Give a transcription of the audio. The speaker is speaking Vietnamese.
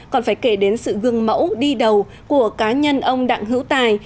còn phải kể đến sự gương mẫu đi đầu của cá nhân ông đặng hữu tài